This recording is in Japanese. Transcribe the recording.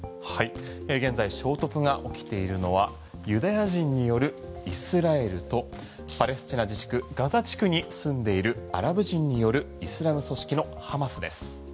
現在衝突が起きているのはユダヤ人によるイスラエルとパレスチナ自治区ガザ地区に住んでいるアラブ人によるイスラム組織のハマスです。